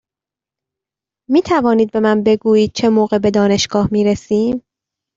می توانید به من بگویید چه موقع به دانشگاه می رسیم؟